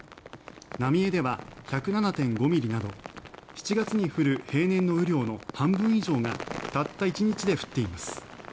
浪江では１０７．５ミリなど７月に降る平年の雨量の半分以上がたった１日で降っています。